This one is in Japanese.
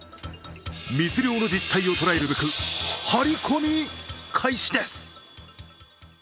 密漁の実態を捉えるべく、ハリコミ開始です。